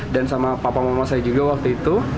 dan sama papa mama saya juga waktu itu